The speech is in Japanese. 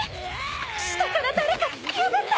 下から誰か突き破って。